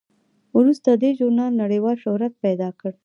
وروسته دې ژورنال نړیوال شهرت پیدا کړ.